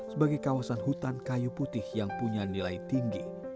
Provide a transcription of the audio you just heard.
sebagai kawasan hutan kayu putih yang punya nilai tinggi